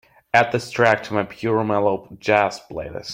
add this track to my Pure Mellow Jazz playlist